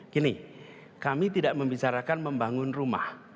gini kami tidak membicarakan membangun rumah